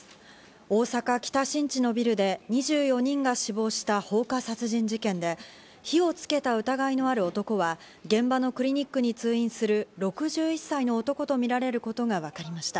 大阪・北新地のビルで２４人が死亡した放火殺人事件で、火をつけた疑いのある男は現場のクリニックに通院する６１歳の男とみられることが分かりました。